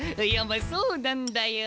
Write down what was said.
まあそうなんだよ。